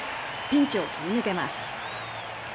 ピンチを切り抜けます。